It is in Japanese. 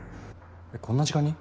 えっこんな時間に？